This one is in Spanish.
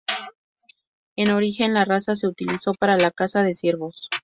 En origen, la raza se utilizó para la caza de ciervos.